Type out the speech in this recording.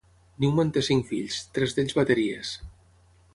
Newman té cinc fills, tres d'ells bateries.